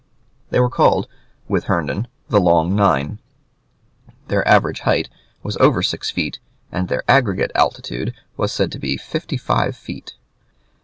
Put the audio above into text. They were called, with Herndon, the "Long Nine;" their average height was over six feet, and their aggregate altitude was said to be fifty five feet.